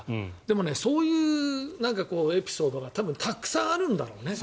そういうエピソードが多分たくさんあるんだろうね。